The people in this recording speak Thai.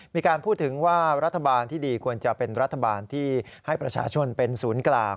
มีการพูดถึงว่ารัฐบาลที่ดีควรจะเป็นรัฐบาลที่ให้ประชาชนเป็นศูนย์กลาง